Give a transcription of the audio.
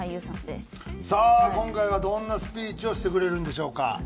さあ今回はどんなスピーチをしてくれるんでしょうか。